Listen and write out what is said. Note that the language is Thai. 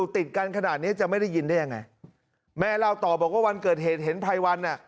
ติดกันขนาดเนี้ยจะไม่ได้ยินได้ยังไงแม่เล่าต่อบอกว่าวันเกิดเหตุเห็นภัยวันน่ะ